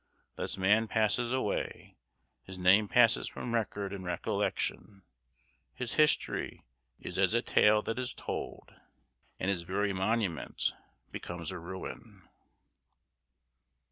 Thus man passes away; his name passes from record and recollection; his history is as a tale that is told, and his very monument becomes a ruin.